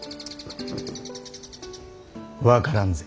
分からんぜ。